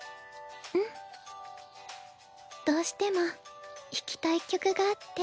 うん。どうしても弾きたい曲があって。